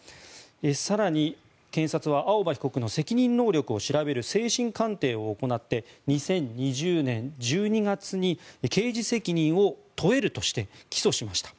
更に、検察は青葉被告の責任能力を調べる精神鑑定を行って２０２０年１２月に刑事責任を問えるとして起訴しました。